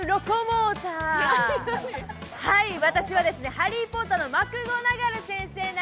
私は「ハリー・ポッター」のマクゴナガル先生です。